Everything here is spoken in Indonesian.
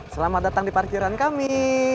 selamat datang di parkiran kami